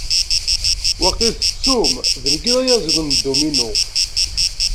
Wakil tettum d nekk i d ayaziḍ n dduminu.